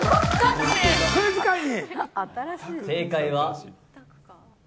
クイズ界に。